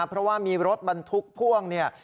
เพราะว่ามีรถบรรทุกพ่วงเนี่ย